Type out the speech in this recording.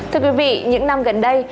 thưa quý vị những năm gần đây